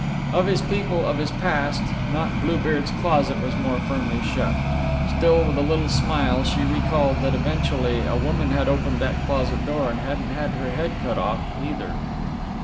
Of his people, of his past, not Bluebeard's closet was more firmly shut. Still with a little smile she recalled that eventually a woman had opened that closet door, and hadn't had her head cut off, either.